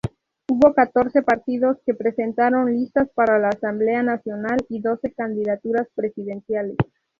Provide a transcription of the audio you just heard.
Hubo catorce partidos que presentaron listas para la Asamblea Nacional, y doce candidaturas presidenciales.